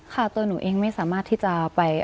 ตัวหนูเองไม่สามารถที่จะไป